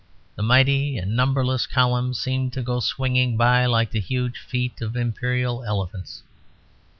The mighty and numberless columns seemed to go swinging by like the huge feet of imperial elephants.